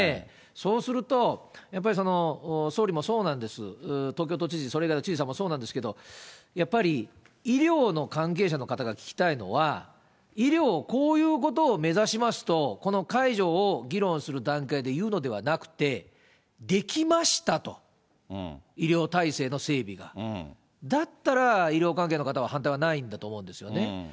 そうすると、やっぱり総理もそうなんです、東京都知事、それ以外の知事さんもそうなんですけど、やっぱり医療の関係者の方が聞きたいのは、医療、こういうことを目指しますと、この解除を議論する段階で言うのではなくて、出来ましたと、医療体制の整備が、だったら、医療関係の方は反対派いないんだと思うんですよね。